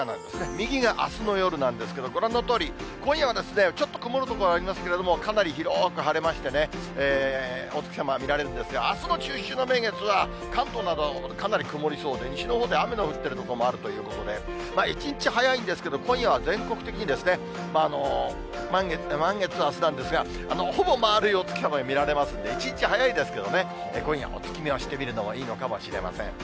右があすの夜なんですけど、ご覧のとおり、今夜はちょっと曇る所ありますけれども、かなり広く晴れましてね、お月様見られるんですが、あすの中秋の名月は、関東など、かなり曇りそうで、西のほうでは雨の降っている所もあるということで、１日早いんですけれども、今夜は全国的に、満月はあすなんですが、ほぼ丸いお月様、見られますんで、１日早いですけどね、今夜、お月見をしてみるのもいいのかもしれません。